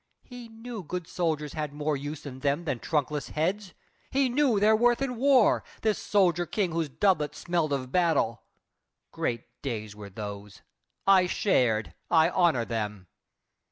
He knew good soldiers had more use in them Than trunkless heads. He knew their worth in war, This soldier king whose doublet smelled of battle! Great days were those. I shared, I honor them!